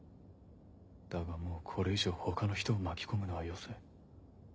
だがもうこれ以上他の人を巻き込むのはよせ。